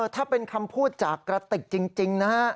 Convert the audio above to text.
ถ้าเป็นคำพูดจากกระติกจริงนะฮะ